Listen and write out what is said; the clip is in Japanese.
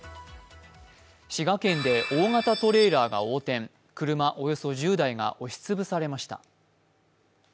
滋賀県で大型トレーラーが横転車およそ１０台が押し潰されました。